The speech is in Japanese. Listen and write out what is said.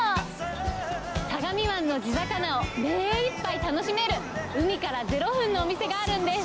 相模湾の地魚を目いっぱい楽しめる、海から０分のお店があるんです。